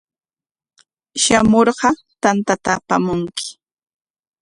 Shamurqa tantata apamunki.